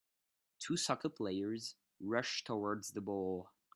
Two soccer players rush towards the ball